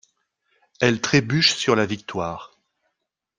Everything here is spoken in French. Elle trébuche sur la victoire...